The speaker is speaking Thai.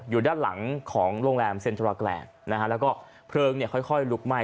อยู่ด้านหลังของโรงแรมเซ็นทราแกรนดนะฮะแล้วก็เพลิงเนี่ยค่อยลุกไหม้